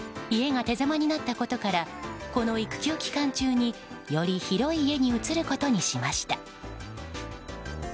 家が手狭になったことからこの育休期間中により広い家に移ることにしました。